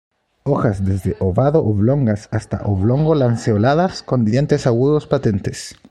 Hojas desde ovado-oblongas hasta oblongo-lanceoladas, con dientes agudos, patentes.